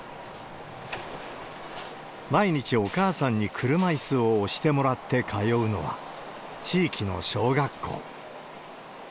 毎日お母さんに車いすを押してもらって通うのは地域の小学校。